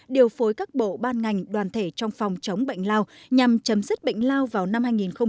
điều phối các bộ ban ngành đoàn thể trong phòng chống bệnh lao nhằm chấm dứt bệnh lao vào năm hai nghìn ba mươi